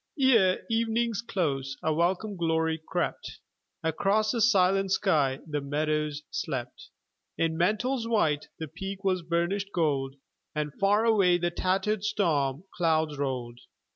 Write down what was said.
Ere evening's close, a welcome glory crept Across the silent sky; the meadows slept In mantles white; the peak was burnished gold, And far away the tattered storm clouds rolled.